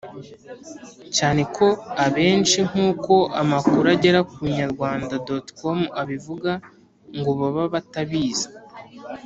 cyane ko abenshi nk'uko amakuru agera ku inyarwanda.com abivuga ngo baba batabizi.